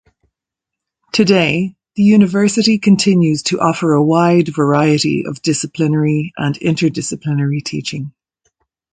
Today, the University continues to offer a wide variety of disciplinary and inter-disciplinary teaching.